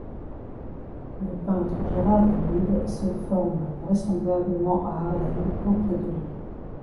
Le peintre Gérard David se forme vraisemblablement à Haarlem, auprès de lui.